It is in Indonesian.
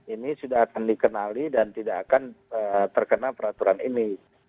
ini sudah akan dikenali dan tidak akan terkena peraturan ini